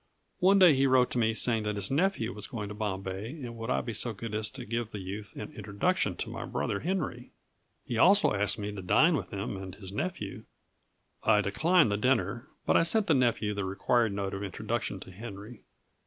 One day he wrote to me saying that his nephew was going to Bombay, and would I be so good as to give the youth an introduction to my brother Henry? He also asked me to dine with him and his nephew. I declined the dinner, but I sent the nephew the required note of introduction to Henry.